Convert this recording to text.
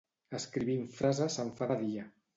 Escrivint frases se'm fa de dia